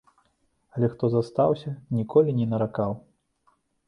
Але хто застаўся, ніколі не наракаў.